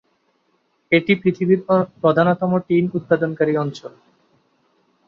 এটি পৃথিবীর প্রধানতম টিন উৎপাদনকারী অঞ্চল।